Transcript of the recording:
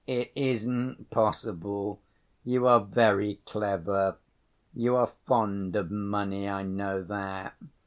"It isn't possible. You are very clever. You are fond of money, I know that.